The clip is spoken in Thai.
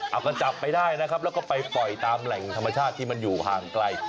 เอาก็จับไปได้นะครับแล้วก็ไปปล่อยตามแหล่งธรรมชาติที่มันอยู่ห่างไกล